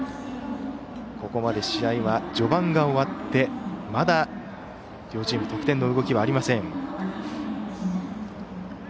ここまで試合は序盤が終わってまだ両チーム、得点の動きはありません。